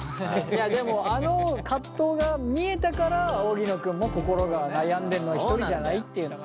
でもあの葛藤が見えたから荻野君も心が悩んでんのは１人じゃないっていうのがね。